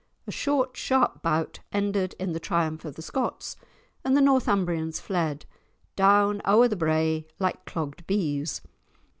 A short, sharp bout ended in the triumph of the Scots and the Northumbrians fled, "Down ower the brae, like clogged bees."